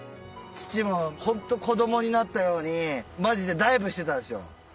父もホント子供になったようにマジでダイブしてたんですよ。